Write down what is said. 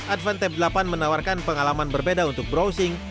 advan tep delapan menawarkan pengalaman berbeda untuk browsing